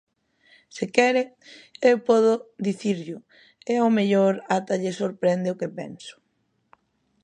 Se quere, eu podo dicirllo, e ao mellor ata lle sorprende o que penso.